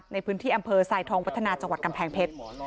ในพื้นที่อำเภอทรายทองวัฒนาจังหวัดกำแพงเพชร